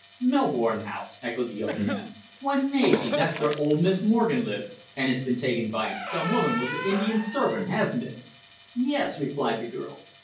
"Melbourne House!" echoed the other man. "Why, Maisie, that's where old Miss Morgan lived, and it's been taken by some woman with an Indian servant, hasn't it?" "Yes," replied the girl.